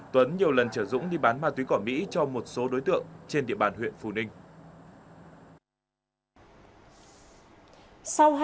tuấn nhiều lần chở dũng đi bán ma túy cỏ mỹ cho một số đối tượng trên địa bàn huyện phù ninh